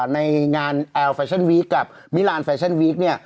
ในงานแอลแฟชั่นวีคกับมิลานแฟชั่นวีคเนี่ย